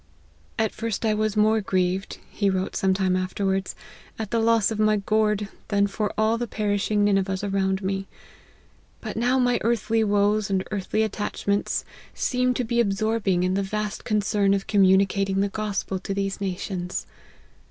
'" At first I was more grieved," he wrote some time afterwards, " at the loss of my gourd, than for all the perishing Ninevehs around me ; but now my earthly woes and earthly attachments seem to be absorbing in the vast concern of communicating LIFE OF HENRY MARTYN. 107 the gospel to these nations.